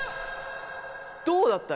どうだった？